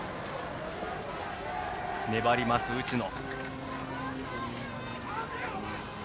粘ります、打野。